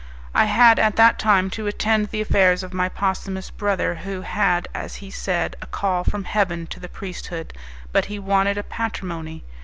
I had at that time to attend to the affairs of my posthumous brother, who had, as he said, a call from Heaven to the priesthood, but he wanted a patrimony.